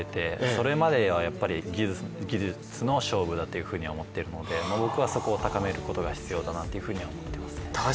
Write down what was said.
それまでは技術の勝負だと思っているので、僕はそこを高めることが必要だなというふうには思っています。